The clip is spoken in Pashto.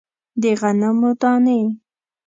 د غنمو دانې